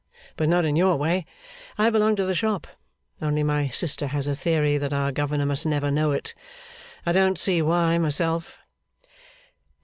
But not in your way. I belong to the shop, only my sister has a theory that our governor must never know it. I don't see why, myself.